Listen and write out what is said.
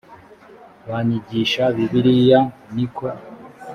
banyigisha bibiliya ni ko